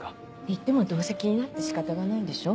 言ってもどうせ気になって仕方がないんでしょ？